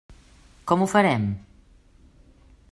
Com ho farem?